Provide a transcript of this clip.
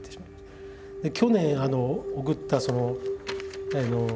去年送ったその。